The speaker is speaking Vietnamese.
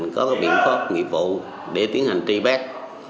có các biện pháp nghiệp vụ để tiến hành tri bét